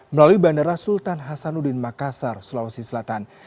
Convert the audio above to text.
melalui bandara sultan hasanuddin makassar sulawesi selatan